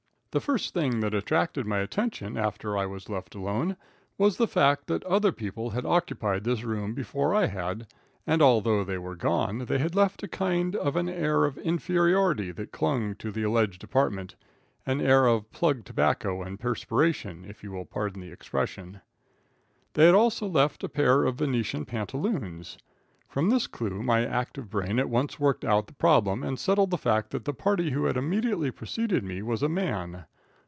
The first thing that attracted my attention after I was left alone, was the fact that other people had occupied this room before I had, and, although they were gone, they had left a kind of an air of inferiority that clung to the alleged apartment, an air of plug tobacco and perspiration, if you will pardon the expression. They had also left a pair of Venetian pantaloons. From this clue, my active brain at once worked out the problem and settled the fact that the party who had immediately preceded me was a man.